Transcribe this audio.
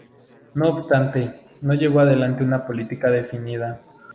No obstante, no llevó adelante una política definida.